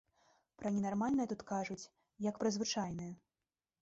Пра ненармальнае тут кажуць, як пра звычайнае.